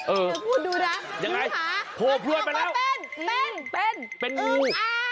เอออย่างไรโทรพลวยมาแล้วเป็นเป็นเป็นงู